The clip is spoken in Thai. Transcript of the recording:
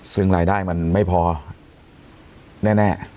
ซึ่งรายได้มันไม่พอแน่